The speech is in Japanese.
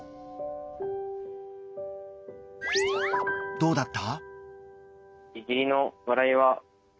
どうだった？